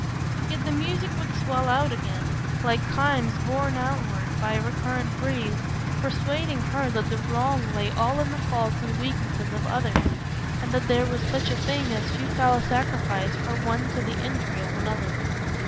Yet the music would swell out again, like chimes borne onward by a recurrent breeze, persuading her that the wrong lay all in the faults and weaknesses of others, and that there was such a thing as futile sacrifice for one to the injury of another.